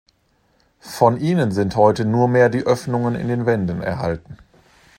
Von ihnen sind heute nur mehr die Öffnungen in den Wänden erhalten.